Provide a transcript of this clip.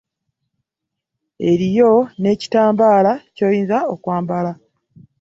Eriyo nekitambaala kyoyinza okwambala.